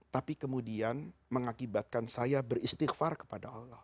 tapi kemudian mengakibatkan saya beristighfar kepada allah